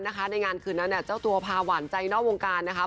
ในงานคืนนั้นเจ้าตัวพาหวานใจนอกวงการนะคะ